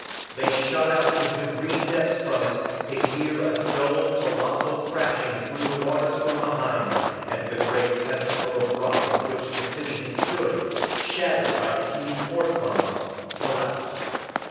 They shot out into the green depths from it to hear a dull, colossal crashing through the waters from behind as the great pedestal of rock on which the city had stood, shattered by the huge force bombs, collapsed.